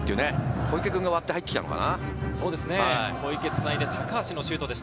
小池君が割って入ってきたのかな？